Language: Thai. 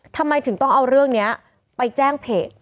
ทำไมถึงต้องเอาเรื่องนี้ไปแจ้งเพจ